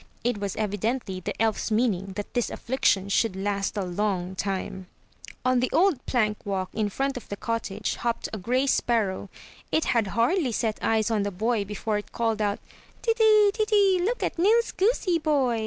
It was evidently the elf's meaning that this affliction should last a long time. On the old plank walk in front of the cottage, hopped a gray sparrow. It had hardly set eyes on the boy before it called out: Teetee ! Teetee ! Look at Nils goosey boy